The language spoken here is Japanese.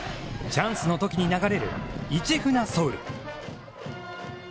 チャンスのときに流れる「市船ｓｏｕｌ」。